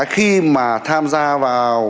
khi mà tham gia vào